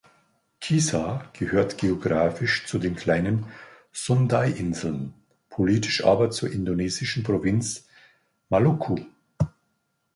Kisar gehört geographisch zu den Kleinen Sundainseln, politisch aber zur indonesischen Provinz Maluku.